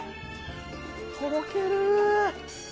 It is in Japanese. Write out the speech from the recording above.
とろける。